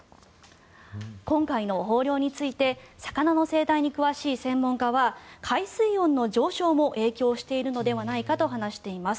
今回の豊漁について魚の生態に詳しい専門家は海水温の上昇も影響しているのではないかと話しています。